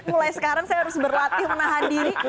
mulai sekarang saya harus berlatih menahan diri